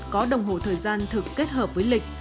có đồng hồ thời gian thực kết hợp với lịch